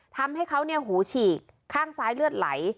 ทำให้เขาหูฉีกข้างซ้ายเลือดไหล